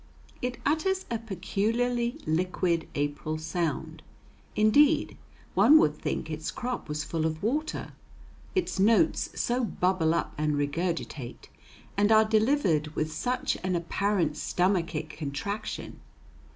It utters a peculiarly liquid April sound. Indeed, one would think its crop was full of water, its notes so bubble up and regurgitate, and are delivered with such an apparent stomachic contraction.